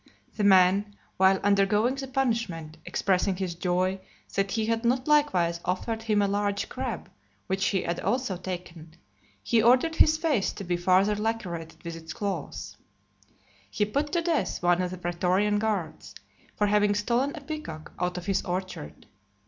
The man, while undergoing the punishment, expressing his joy that he had not likewise offered him a large crab which he had also taken, he ordered his face to be farther lacerated with its claws. He put to death one of the pretorian guards, for having stolen a peacock out of his orchard.